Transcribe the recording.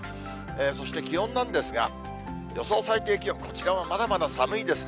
そして気温なんですが、予想最低気温、こちらもまだまだ寒いですね。